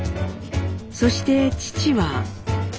そして父は。